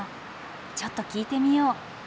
ちょっと聞いてみよう。